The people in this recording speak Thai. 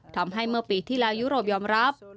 ทำให้เมื่อปีที่แล้วยุโรปยอมรับ